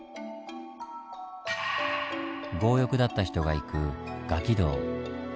強欲だった人が行く餓鬼道。